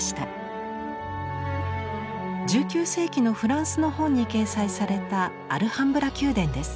１９世紀のフランスの本に掲載されたアルハンブラ宮殿です。